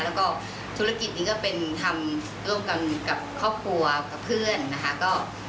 แล้วก็ธุรกิจนี้ก็เป็นทำร่วมกันกับครอบครัวกับเพื่อนนะคะ